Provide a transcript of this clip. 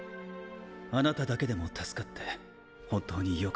貴方だけでも助かって本当によかった。